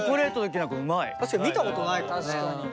確かに見たことないかもね。